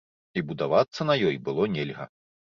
І будавацца на ёй было нельга.